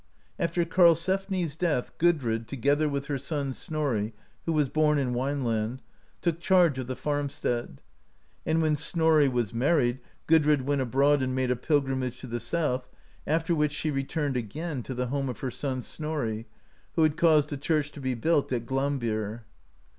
After Karl sefni's death, Gudrid, together with her son, Snorri, who was born in Wineland, took charge of the farmstead ; and when Snorri was married Gudrid went abroad and made a pilgrimage to the South, after which she returned again to the home of her son, Snorri, who had caused a church to be built at Glaumbcer.